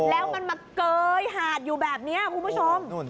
แล้วมันมาเกยหาดอยู่แบบนี้คุณผู้ชม